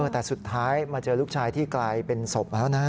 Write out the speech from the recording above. แต่สุดท้ายมาเจอลูกชายที่กลายเป็นศพแล้วนะ